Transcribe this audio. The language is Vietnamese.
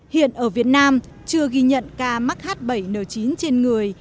hiện ở việt nam chưa ghi nhận ca mắc h bảy n chín trên người